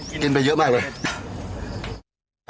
หรอครับกินไปเยอะมากเลย